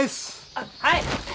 あっはい！